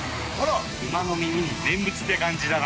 馬の耳に念仏って感じだな。